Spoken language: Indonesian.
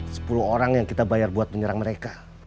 sepuluh orang yang kita bayar buat menyerang mereka